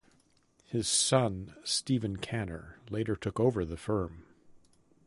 His son Stephen Kanner later took over the firm.